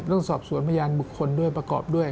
ต้องสอบสวนพยานบุคคลด้วยประกอบด้วย